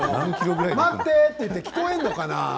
待って、と言っても聞こえるのかな。